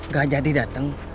gak jadi dateng